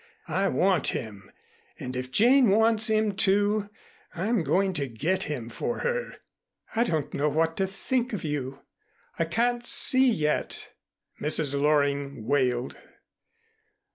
I want him, and if Jane wants him, too, I'm going to get him for her." "I don't know what to think of you. I can't see yet " Mrs. Loring wailed.